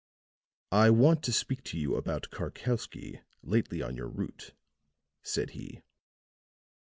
"I want to speak to you about Karkowsky, lately on your route," said he.